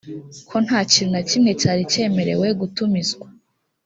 ko nta kintu na kimwe cyari cyemerewe gutumizwa